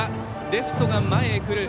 レフトが前へ来る。